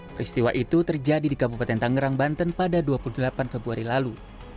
peristiwa itu terjadi di kabupaten tangerang banten pada dua puluh delapan februari lalu